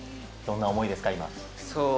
どんな思いですか、今。